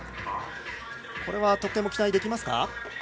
これは得点も期待できますか？